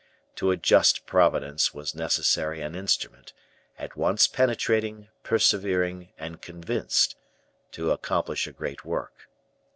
To a just Providence was necessary an instrument, at once penetrating, persevering, and convinced, to accomplish a great work.